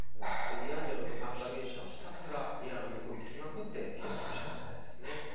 ディアンジェロと参加ミュージシャンはひたすらディラの曲を聴きまくって研究したみたいですね。